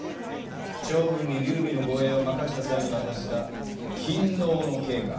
趙雲に劉備の護衛を任した際に渡した「錦嚢の計」か。